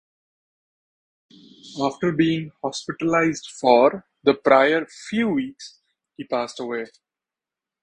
After being "hospitalized for" the prior "few weeks" he passed away.